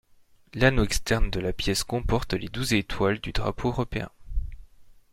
L'anneau externe de la pièce comporte les douze étoiles du drapeau européen.